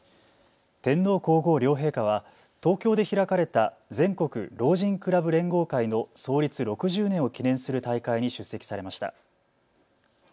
天皇皇后両陛下は東京で開かれた全国老人クラブ連合会の創立６０年を記念する大会に出席されました。